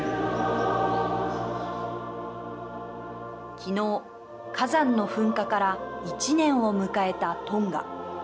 昨日、火山の噴火から１年を迎えたトンガ。